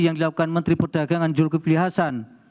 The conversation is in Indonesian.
yang dilakukan menteri perdagangan joko widodo